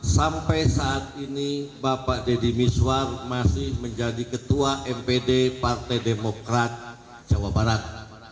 sampai saat ini bapak deddy miswar masih menjadi ketua mpd partai demokrat jawa barat